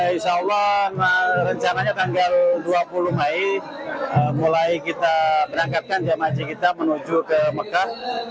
insya allah rencananya tanggal dua puluh mei mulai kita berangkatkan jemaah haji kita menuju ke mekah